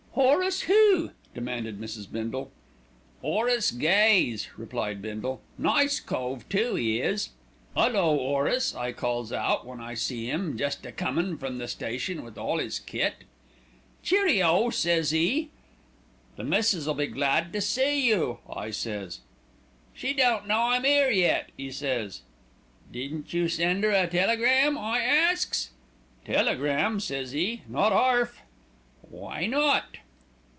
"Horace who?" demanded Mrs. Bindle. "'Orace Gaze," replied Bindle. "Nice cove too, 'e is. "''Ullo! 'Orace,' I calls out, when I see 'im jest a comin' from the station with all 'is kit. "'Cheerio,' says 'e. "'The missis'll be glad to see you,' I says. "'She don't know I'm 'ere yet,' 'e says. "'Didn't you send 'er a telegram?' I asks. "'Telegram!' says 'e, 'not 'arf.' "'Why not?'